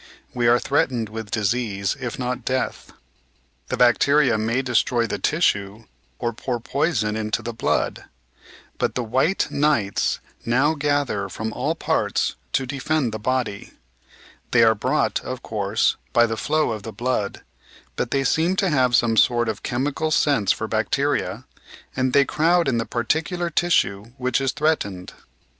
We are threatened with disease, if not death. The bacteria may destroy the tissue, or pour poison into the blood. But the "white knights" now gather from all parts to defend the body. They are brought, of course, by the flow of the blood, but they seem to have some sort of chemical sense for bacteria, and they crowd in the par ticular tissue which is threatened.